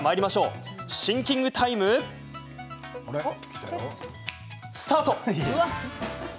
シンキングタイムスタート！